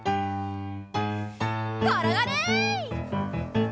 ころがれ！